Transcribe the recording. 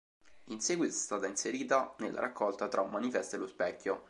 In seguito è stata inserita nella raccolta "Tra un manifesto e lo specchio".